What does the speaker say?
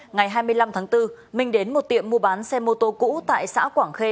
ngày hai mươi năm tháng bốn minh đến một tiệm mua bán xe mô tô cũ tại xã quảng khê